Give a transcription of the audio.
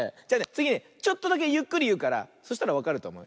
つぎねちょっとだけゆっくりいうからそしたらわかるとおもう。